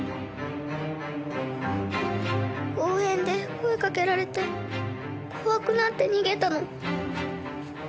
公園で声かけられて怖くなって逃げたの。